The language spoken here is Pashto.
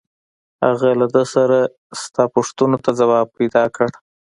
هغه له ده سره شته پوښتنو ته ځواب پیدا کړ